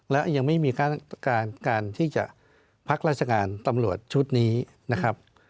และยังไม่มีการที่จะพักราชการตำรวจชุดนี้นะครับ